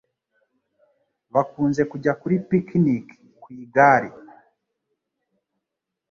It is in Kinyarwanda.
Bakunze kujya kuri picnike ku igare.